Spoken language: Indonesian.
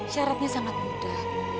syaratnya sangat mudah